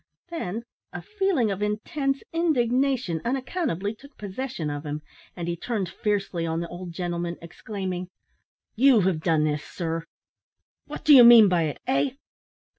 Then a feeling of intense indignation unaccountably took possession of him, and he turned fiercely on the old gentleman, exclaiming "You have done this, sir! What do you mean by it? eh!"